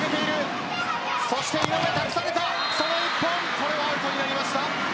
これはアウトになりました。